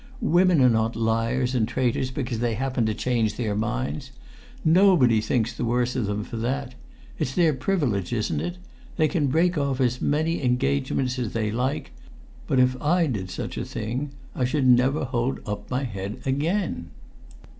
"Women are not liars and traitors because they happen to change their minds. Nobody thinks the worse of them for that; it's their privilege, isn't it? They can break off as many engagements as they like; but if I did such a thing I should never hold up my head again!"